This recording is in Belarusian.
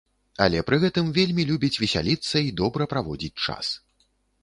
Але пры гэтым вельмі любіць весяліцца і добра праводзіць час.